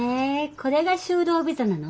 これが就労ビザなの？